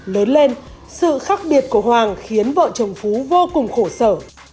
lớn lên sự khác biệt của hoàng khiến vợ chồng phú vô cùng khổ sở